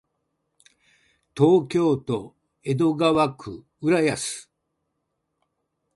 東京都江戸川区浦安